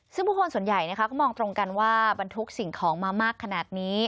ซึ่งผู้คนส่วนใหญ่นะคะก็มองตรงกันว่าบรรทุกสิ่งของมามากขนาดนี้